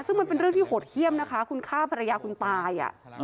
ซึ่งมันเป็นเรื่องที่โหดเยี่ยมนะคะคุณฆ่าภรรยาคุณตาย